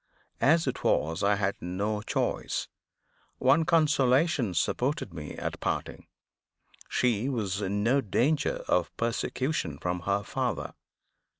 As it was, I had no choice. One consolation supported me at parting she was in no danger of persecution from her father.